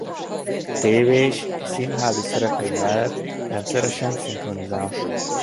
Tévés és színházi szerepei mellett rendszeresen szinkronizál.